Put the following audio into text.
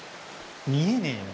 見えねえよ